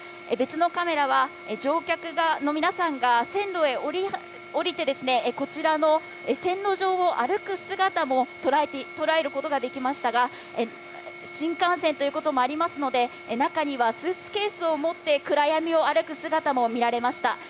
別のカメラは乗客の皆さんが線路に降りて、こちらの線路上を歩く姿もとらえることができましたが、新幹線ということもありますので、中にはスーツケースを持って暗闇を歩く人の姿も見られました。